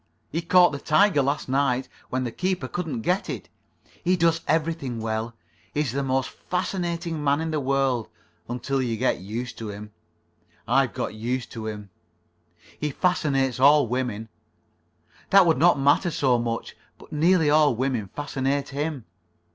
"He caught the tiger last night. When the keeper couldn't get it. He does everything well. He is the most fascinating man in the world—until you get used to him. I've got used to him. He fascinates all women. That would not matter so much, but nearly all women fascinate him.